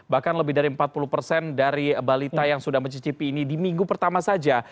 bahkan lebih dari empat puluh persen dari balita yang sudah mencicipi ini di minggu pertama saja